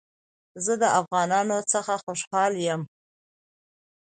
زه د افغانانو څخه خوشحاله يم